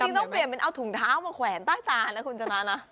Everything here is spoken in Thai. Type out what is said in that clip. ต้องเปลี่ยนเป็นเอาถุงเท้ามาแขวนใต้ตานะคุณชนะนะ